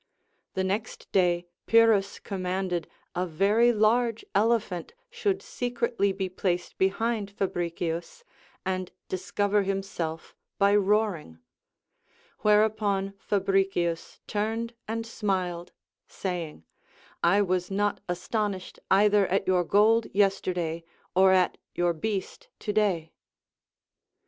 The next day Pyrrhus commanded a very large elephant should secretly be placed behind Fabricius, and discover himself by roar ing ; whereupon Fabricius turned and smiled, saying, I was not astonished either at your gold yesterday or at your beast to day.